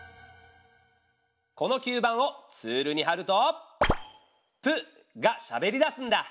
この吸盤をツールにはると「プ」がしゃべりだすんだ。